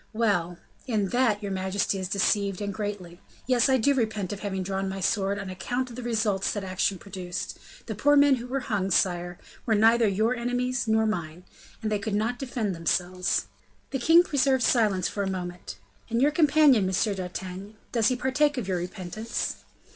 "Well, in that your majesty is deceived, and greatly; yes, I do repent of having drawn my sword on account of the results that action produced; the poor men who were hung, sire, were neither your enemies nor mine; and they could not defend themselves." The king preserved silence for a moment. "And your companion, M. d'Artagnan, does he partake of your repentance?"